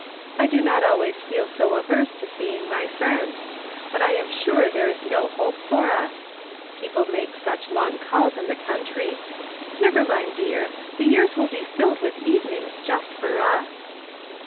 I do not always feel so averse to seeing my friends. But I am sure there is no hope for us; people make such long calls in the country. Never mind, dear, the years will be filled with evenings, just for us."